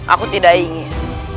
aku tidak ingin